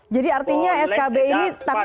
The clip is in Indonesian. jadi artinya skb ini